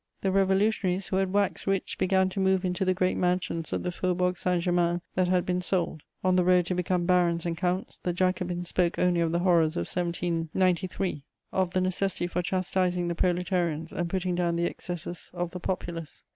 The Revolutionaries who had waxed rich began to move into the great mansions of the Faubourg Saint Germain that had been sold. On the road to become barons and counts, the Jacobins spoke only of the horrors of 1793, of the necessity for chastising the proletarians and putting down the excesses of the populace.